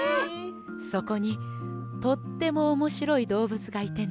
そこにとってもおもしろいどうぶつがいてね。